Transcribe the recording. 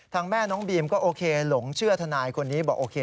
แม่น้องบีมก็โอเคหลงเชื่อทนายคนนี้บอกโอเค